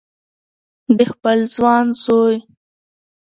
د خپل ځوان زوی